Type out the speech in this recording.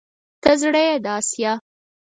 ته زړه يې د اسيا